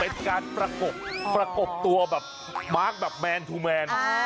เป็นการประกบตัวแบบมาร์คแบบแมนทูแมน